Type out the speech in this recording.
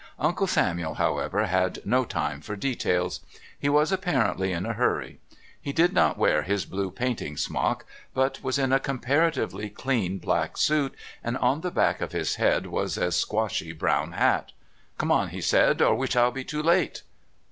Uncle Samuel, however, had no time for details; he was apparently in a hurry. He did not wear his blue painting smock, but was in a comparatively clean black suit, and on the back of his head was a squashy brown hat. "Come on," he said, "or we shall be too late."